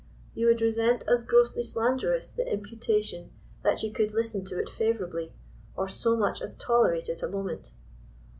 You would resent as grossly slanderous the imputation that you could listen to it favorably or so much as tolerate it a mo ment.